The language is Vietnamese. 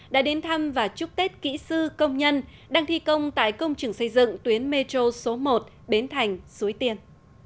đã đến thăm và chúc tết kỹ sư công nhân đang thi công tại công trường xây dựng tuyến metro số một bến thành suối tiên